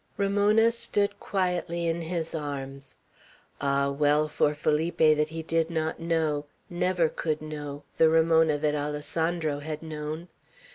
Ramona stood quietly in his arms. Ah, well for Felipe that he did not know, never could know, the Ramona that Alessandro had known.